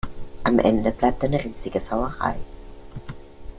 Am Ende bleibt eine riesige Sauerei.